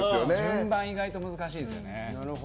順番、意外と難しいですよね。